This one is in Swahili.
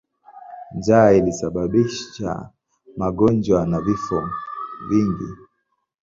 Njaa ilisababisha magonjwa na vifo vingi.